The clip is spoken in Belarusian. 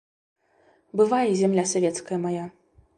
Бывай, зямля савецкая мая!